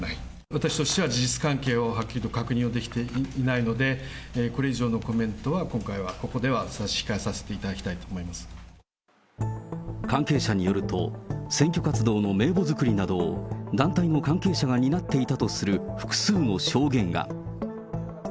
私としては事実関係をはっきりと確認をできていないので、これ以上のコメントは、今回は、ここでは差し控えさせていただきたいと関係者によると、選挙活動の名簿作りなどを、団体の関係者が担っていたとする複数の証言が。